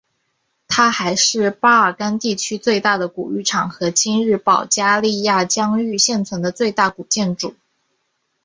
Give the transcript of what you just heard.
它还是巴尔干地区最大的古浴场和今日保加利亚疆域内现存的最大古建筑。